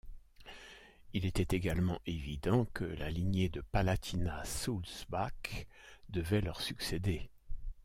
Il était également évident que la lignée de Palatinat-Soulzbach devait leur succéder.